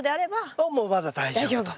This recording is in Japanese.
ああもうまだ大丈夫と。